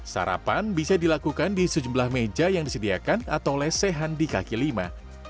sarapan bisa dilakukan di sejumlah meja yang disediakan atau lesehan di kaki lima